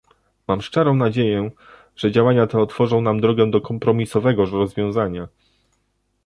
Mam szczerą nadzieję, że działania te otworzą nam drogę do kompromisowego rozwiązania